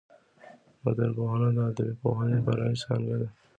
متنپوهنه د ادبپوهني فرعي څانګه ده.